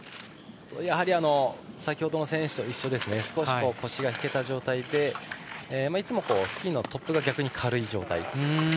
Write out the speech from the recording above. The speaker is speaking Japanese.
やはり先ほどの選手と一緒で少し腰が引けた状態でいつもスキーのトップが逆に軽い状態で。